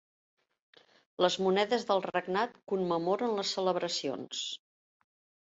Les monedes del regnat commemoren les celebracions.